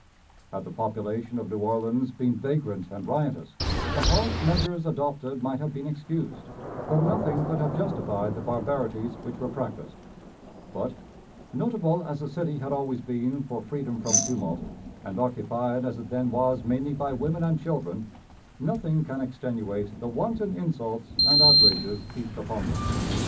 Had the population of New Orleans been vagrant and riotous, the harsh measures adopted might have been excused, though nothing could have justified the barbarities which were practiced; but, notable as the city had always been for freedom from tumult, and occupied as it then was mainly by women and children, nothing can extenuate the wanton insults and outrages heaped upon them.